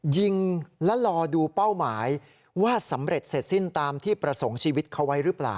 ยิงและรอดูเป้าหมายว่าสำเร็จเสร็จสิ้นตามที่ประสงค์ชีวิตเขาไว้หรือเปล่า